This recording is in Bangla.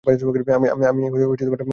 আমি গাড়িতে রয়েছি।